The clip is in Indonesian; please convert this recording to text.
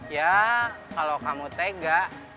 ya kalau kamu tega